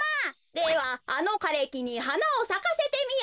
「ではあのかれきにはなをさかせてみよ」。